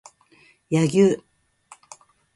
柳生